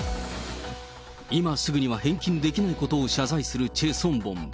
今すぐには返金できないことを謝罪するチェ・ソンボン。